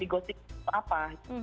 jadi ghosting itu apa